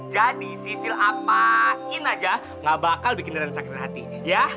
jadi sisil apain aja gak bakal bikin darren sakit hati ya